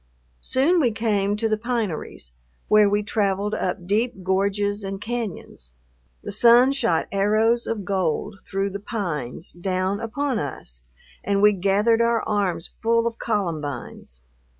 Soon we came to the pineries, where we traveled up deep gorges and cañons. The sun shot arrows of gold through the pines down upon us and we gathered our arms full of columbines.